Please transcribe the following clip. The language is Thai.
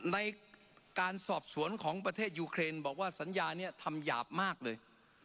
ในการสอบสวนของประเทศยูเครนบอกว่าสัญญานี้ทำหยาบมากเลย